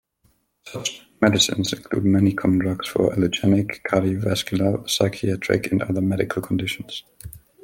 Such medicines include many common drugs for allergenic, cardiovascular, psychiatric, and other medical conditions.